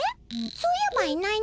そういえばいないね。